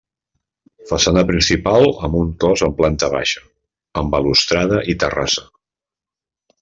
Façana principal amb un cos en planta baixa, amb balustrada i terrassa.